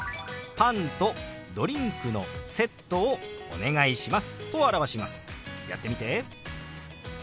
パンとドリンクのセットをお願いします。